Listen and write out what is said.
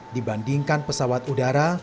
dibandingkan pesawat udara